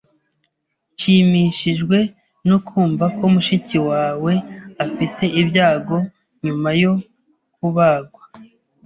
Nshimishijwe no kumva ko mushiki wawe afite ibyago nyuma yo kubagwa.